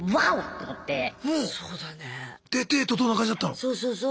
そうそうそう！